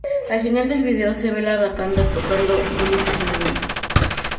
Al final del vídeo se ve a la banda tocando en un estacionamiento.